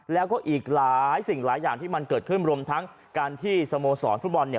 แล้วก็อีกหลายสิ่งหลายอย่างที่มันเกิดขึ้นรวมทั้งการที่สโมสรฟุตบอลเนี่ย